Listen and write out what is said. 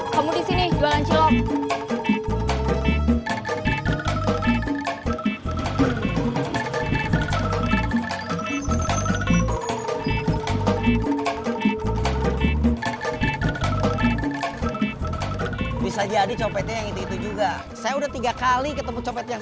kamu di sini jualan cilok bisa jadi copetnya itu juga saya udah tiga kali ketemu copet yang